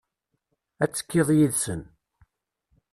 Ad tekkiḍ yid-sen.